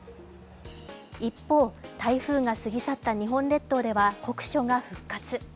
一方、台風が過ぎ去った日本列島では酷暑が復活。